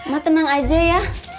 ma tenang aja ya